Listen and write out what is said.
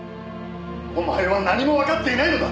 お前は何もわかっていないのだ！